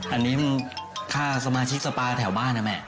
อันนี้มันค่าสมาชิกสปาแถวบ้านนะแม่